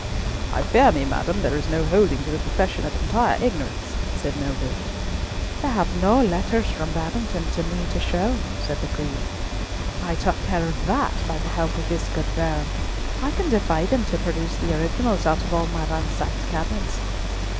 "I fear me, madam, there is no holding to the profession of entire ignorance," said Melville. "They have no letters from Babington to me to show," said the Queen. "I took care of that by the help of this good bairn. I can defy them to produce the originals out of all my ransacked cabinets."